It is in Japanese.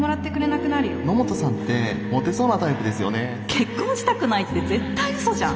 結婚したくないって絶対うそじゃん。